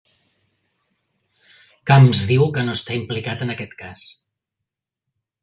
Camps diu que no està implicat en aquest cas